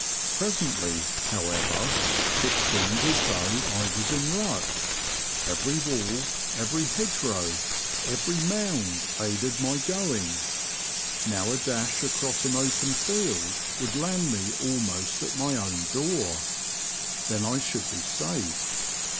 Presently, however, it seemed as The Confessions of a Poacher, 167 though I was in luck. Every wall, every hedgerow, every mound aided my going. Now a dash across an open field would land me almost at my own door. Then I should be safe.